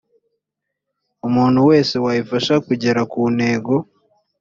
umuntu wese wayifasha kugera ku ntego